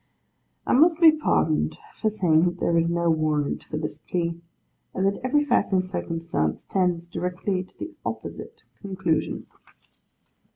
I must be pardoned for saying that there is no warrant for this plea, and that every fact and circumstance tends directly to the opposite conclusion.